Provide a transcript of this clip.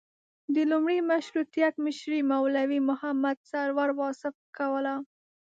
د لومړي مشروطیت مشري مولوي محمد سرور واصف کوله.